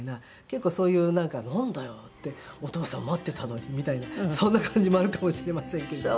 結構そういう「なんだよお父さん待ってたのに」みたいなそんな感じもあるかもしれませんけど。